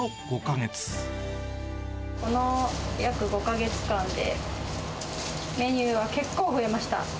この約５か月間で、メニューは結構増えました。